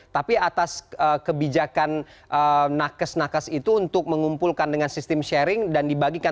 tapi atas kebijakan nakes nakes itu untuk mengumpulkan dengan sistem sharing dan dibagikan